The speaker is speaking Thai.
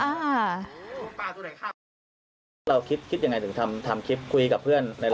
อ่าเราคิดคิดยังไงถึงทำทำคลิปคุยกับเพื่อนในร้าน